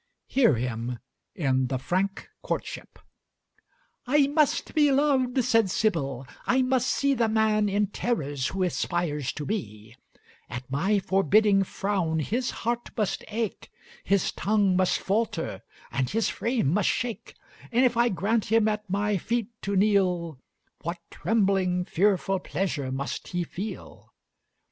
Hear him in 'The Frank Courtship': "I must be loved," said Sybil; "I must see The man in terrors, who aspires to me: At my forbidding frown his heart must ache, His tongue must falter, and his frame must shake; And if I grant him at my feet to kneel, What trembling fearful pleasure must he feel!